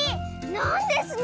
なんですの